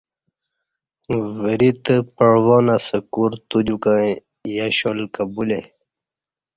وری تہ پعوان اسہ کور تودیکں یشول کہ بولے